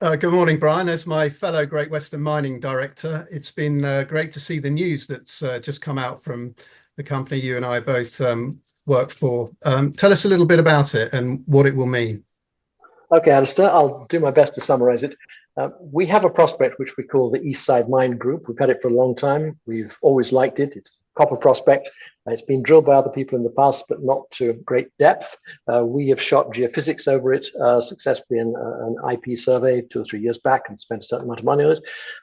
Good morning, Brian. As my fellow Great Western Mining Director, it's been great to see the news that's just come out from the company you and I both work for. Tell us a little bit about it and what it will mean. Okay, Alastair, I'll do my best to summarize it. We have a prospect which we call the East Side Mine Group. We've had it for a long time. We've always liked it. It's a copper prospect, and it's been drilled by other people in the past, but not to great depth. We have shot geophysics over it successfully in an IP survey two or three years back and spent a certain amount of money on it,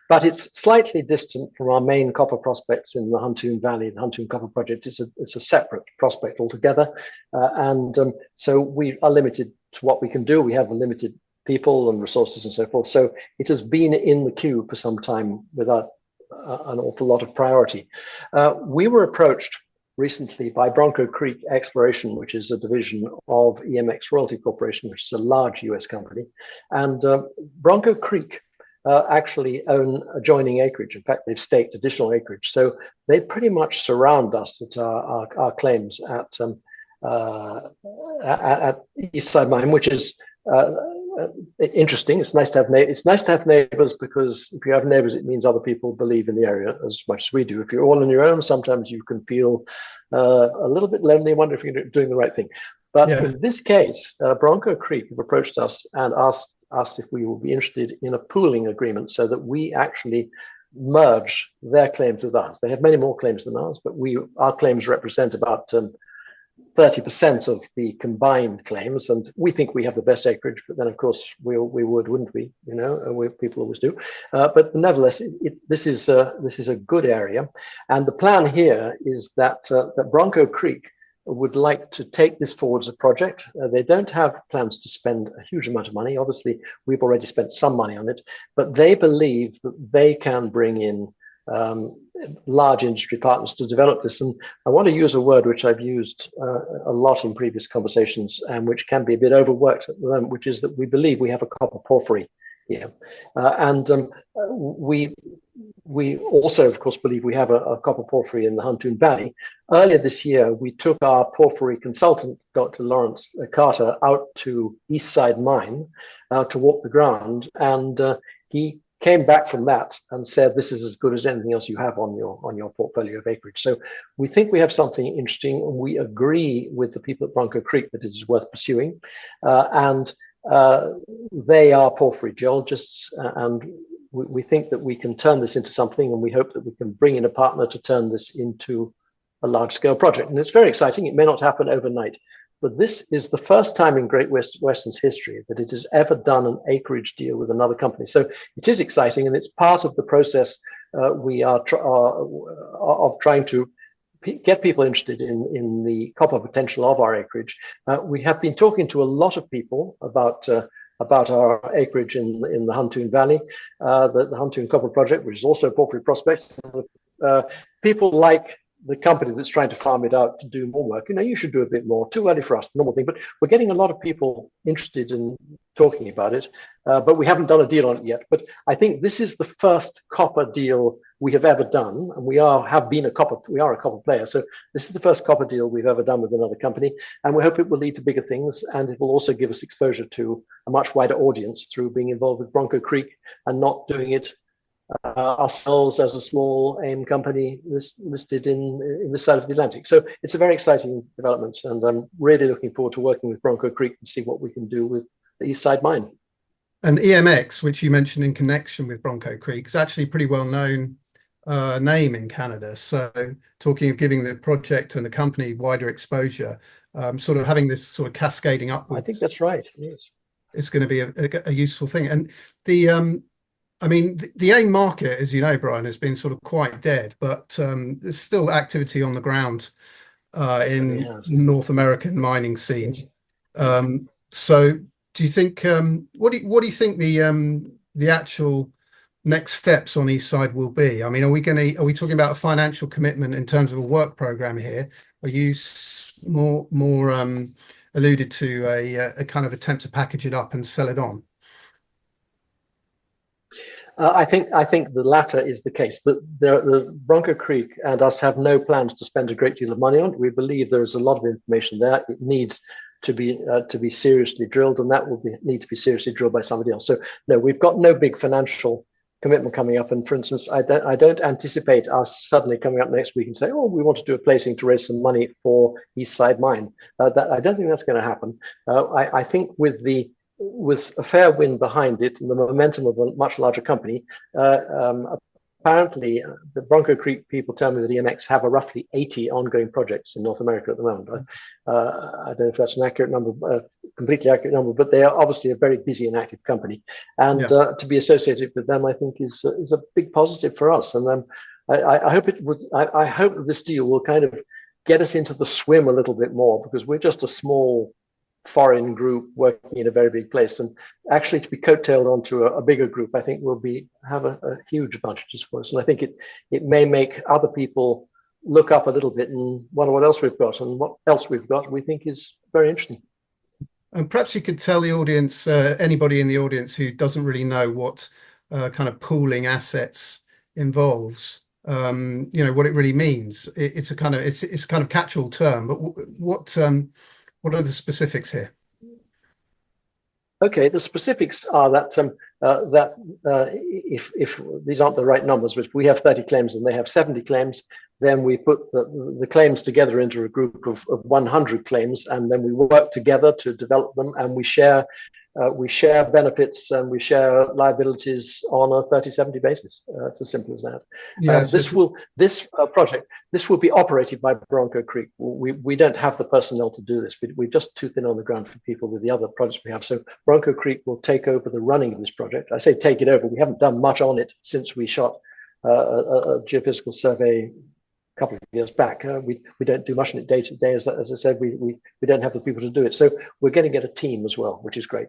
but it's slightly distant from our main copper prospects in the Huntoon Valley. The Huntoon Copper Project is a separate prospect altogether. We are limited to what we can do. We have limited people and resources and so forth, so it has been in the queue for some time without an awful lot of priority. We were approached recently by Bronco Creek Exploration, which is a division of EMX Royalty Corporation, which is a large U.S. company. Bronco Creek actually own adjoining acreage. In fact, they've staked additional acreage, so they pretty much surround us at our claims at East Side Mine, which is interesting. It's nice to have neighbors because if you have neighbors, it means other people believe in the area as much as we do. If you're all on your own, sometimes you can feel a little bit lonely and wonder if you're doing the right thing. Yeah. In this case, Bronco Creek have approached us and asked us if we would be interested in a pooling agreement so that we actually merge their claims with ours. They have many more claims than ours, but our claims represent about 30% of the combined claims, and we think we have the best acreage, but then, of course, we would, wouldn't we? People always do. Nevertheless, this is a good area. The plan here is that Bronco Creek would like to take this forward as a project. They don't have plans to spend a huge amount of money. Obviously, we've already spent some money on it. They believe that they can bring in large industry partners to develop this. I want to use a word which I've used a lot in previous conversations and which can be a bit overworked at the moment, which is that we believe we have a copper porphyry. We also, of course, believe we have a copper porphyry in the Huntoon Valley. Earlier this year, we took our Porphyry Consultant, Dr. Lawrence Carter, out to East Side Mine to walk the ground, and he came back from that and said, "This is as good as anything else you have on your portfolio of acreage." We think we have something interesting, and we agree with the people at Bronco Creek that it is worth pursuing. They are porphyry geologists, and we think that we can turn this into something, and we hope that we can bring in a partner to turn this into a large-scale project, and it's very exciting. It may not happen overnight, but this is the first time in Great Western's history that it has ever done an acreage deal with another company. It is exciting, and it's part of the process of trying to get people interested in the copper potential of our acreage. We have been talking to a lot of people about our acreage in the Huntoon Valley, the Huntoon Copper Project, which is also a porphyry prospect. People like the company that's trying to farm it out to do more work, you should do a bit more, too early for us, the normal thing. We're getting a lot of people interested in talking about it, but we haven't done a deal on it yet. I think this is the first copper deal we have ever done, and we are a copper player, so this is the first copper deal we've ever done with another company, and we hope it will lead to bigger things, and it will also give us exposure to a much wider audience through being involved with Bronco Creek and not doing it ourselves as a small AIM company listed in this side of the Atlantic. It's a very exciting development, and I'm really looking forward to working with Bronco Creek and see what we can do with the East Side Mine. EMX, which you mentioned in connection with Bronco Creek, is actually a pretty well-known name in Canada. Talking of giving the project and the company wider exposure, having this sort of cascading upward. I think that's right. Yes. It's going to be a useful thing. The AIM market, as you know, Brian, has been quite dead. There's still activity on the ground. There is. In North American mining scene. Yes. What do you think the actual next steps on East Side will be? Are we talking about a financial commitment in terms of a work program here? You more alluded to a kind of attempt to package it up and sell it on? I think the latter is the case, that Bronco Creek and us have no plans to spend a great deal of money on it. We believe there is a lot of information there. It needs to be seriously drilled, and that will need to be seriously drilled by somebody else. No, we've got no big financial commitment coming up. For instance, I don't anticipate us suddenly coming up next week and say, "Oh, we want to do a placing to raise some money for East Side Mine." I don't think that's going to happen. I think with a fair wind behind it and the momentum of a much larger company, apparently the Bronco Creek people tell me that EMX have roughly 80 ongoing projects in North America at the moment. I don't know if that's a completely accurate number, but they are obviously a very busy and active company. Yeah. To be associated with them, I think is a big positive for us. I hope this deal will kind of get us into the swim a little bit more because we're just a small foreign group working in a very big place. Actually, to be coattailed onto a bigger group, I think will have a huge advantage for us, and I think it may make other people look up a little bit and wonder what else we've got, and what else we've got we think is very interesting. Perhaps you could tell the audience, anybody in the audience, who doesn't really know what pooling assets involves, what it really means. It's a kind of catchall term, but what are the specifics here? Okay. The specifics are that if these aren't the right numbers, which we have 30 claims and they have 70 claims, then we put the claims together into a group of 100 claims, and then we work together to develop them, and we share benefits, and we share liabilities on a 30/70 basis. It's as simple as that. Yeah. This project will be operated by Bronco Creek. We don't have the personnel to do this. We're just too thin on the ground for people with the other projects we have. Bronco Creek will take over the running of this project. I say take it over, we haven't done much on it since we shot a geophysical survey a couple of years back. We don't do much on it day to day. As I said, we don't have the people to do it. We're going to get a team as well, which is great.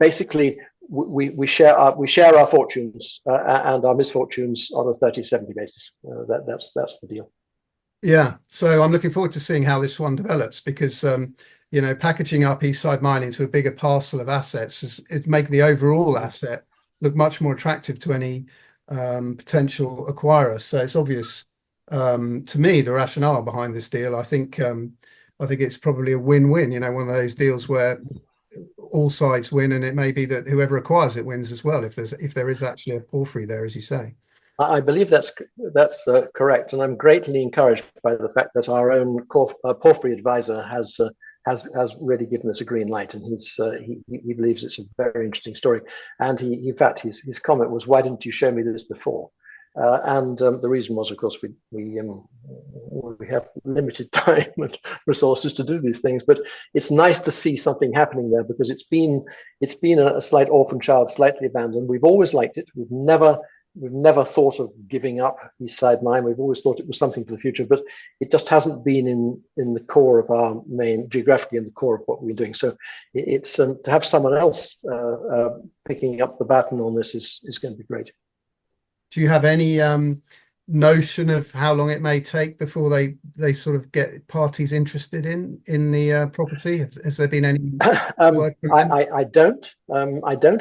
Basically, we share our fortunes and our misfortunes on a 30/70 basis. That's the deal. Yeah. I'm looking forward to seeing how this one develops because, packaging up East Side Mine into a bigger parcel of assets, it'd make the overall asset look much more attractive to any potential acquirers. It's obvious, to me, the rationale behind this deal. I think it's probably a win-win, one of those deals where all sides win, and it may be that whoever acquires it wins as well, if there is actually a porphyry there, as you say. I believe that's correct. I'm greatly encouraged by the fact that our own porphyry advisor has really given us a green light, and he believes it's a very interesting story. In fact, his comment was, "Why didn't you show me this before?" The reason was, of course, we have limited time and resources to do these things. It's nice to see something happening there because it's been an orphan child, slightly abandoned. We've always liked it. We've never thought of giving up East Side Mine. We've always thought it was something for the future, but it just hasn't been geographically in the core of what we're doing. To have someone else picking up the baton on this is going to be great. Do you have any notion of how long it may take before they sort of get parties interested in the property? Has there been any work with- I don't.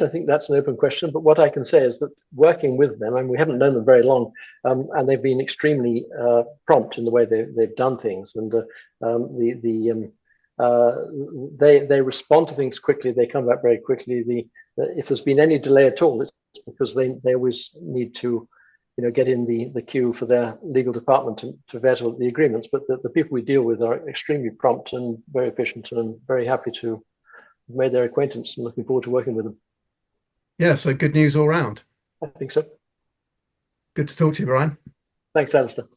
I think that's an open question. What I can say is that working with them, and we haven't known them very long, and they've been extremely prompt in the way they've done things. They respond to things quickly. They come back very quickly. If there's been any delay at all, it's because they always need to get in the queue for their legal department to veto the agreements. The people we deal with are extremely prompt and very efficient, and very happy to have made their acquaintance and looking forward to working with them. Yeah. Good news all round. I think so. Good to talk to you, Brian. Thanks, Alastair.